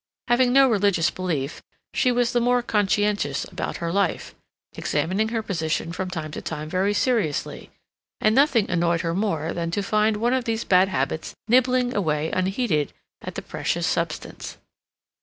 Having no religious belief, she was the more conscientious about her life, examining her position from time to time very seriously, and nothing annoyed her more than to find one of these bad habits nibbling away unheeded at the precious substance.